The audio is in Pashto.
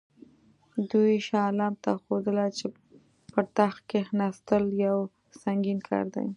دوی شاه عالم ته ښودله چې پر تخت کښېنستل یو سنګین کار دی.